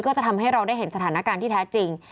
จะทำให้เราได้เห็นสถานการณ์ที่แท้จริง